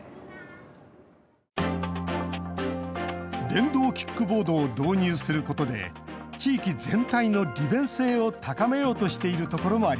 電動キックボードを導入することで地域全体の利便性を高めようとしている所もあります。